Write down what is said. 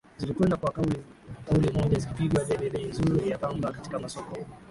zilikwenda kwa kauli moja zikipigia debe bei nzuri ya pamba katika masoko